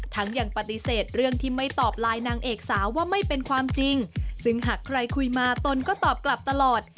ยังปฏิเสธเรื่องที่ไม่ตอบไลน์นางเอกสาวว่าไม่เป็นความจริงซึ่งหากใครคุยมาตนก็ตอบกลับตลอด